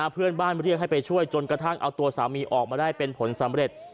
เพื่อนบ้านเรียกให้ไปช่วยจนกระทั่งเอาตัวสามีออกมาได้เป็นผลสำเร็จ